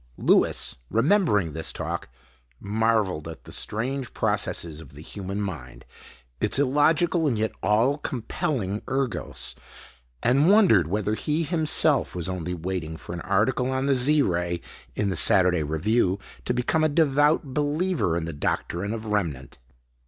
Lewis, remembering this talk, marveled at the strange processes of the human mind, its illogical and yet all compelling ergos, and wondered whether he himself was only waiting for an article on the Z Ray in the Saturday Review to become a devout believer in the doctrine of Remnant.